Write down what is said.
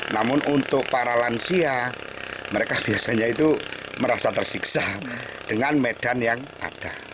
namun untuk para lansia mereka biasanya itu merasa tersiksa dengan medan yang ada